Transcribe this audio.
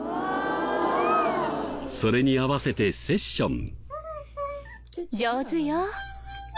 それに合わせてセッション。